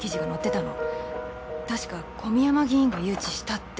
たしか小宮山議員が誘致したって。